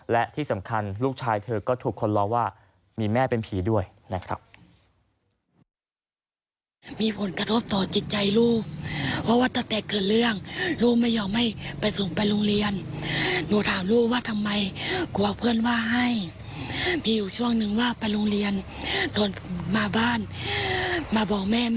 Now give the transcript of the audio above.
และที่สำคัญลูกชายเธอก็ถูกคนล้อว่ามีแม่เป็นผีด้วยนะครับ